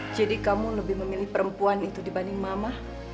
jadi kamu lebih memilih perempuan itu dibanding mama